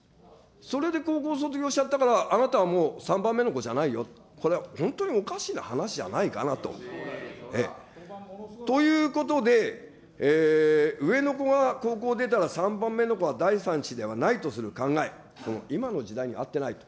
それで高校を卒業しちゃったからあなたはもう３番目の子じゃないよ、これは本当におかしな話じゃないかなと。ということで、上の子が高校出たら、３番目の子は第３子ではないとする考え、この今の時代にあってないと。